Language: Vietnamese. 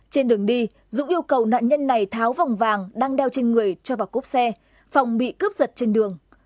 trên đường đi dũng yêu cầu nạn nhân này tháo vòng vàng đang đeo trên người cho vào cốp xe phòng bị cướp giật trên đường